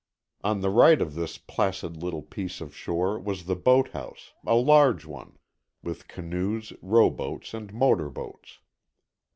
On the right of this placid little piece of shore was the boathouse, a large one, with canoes, rowboats and motor boats.